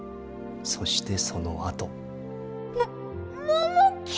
そしてそのあと。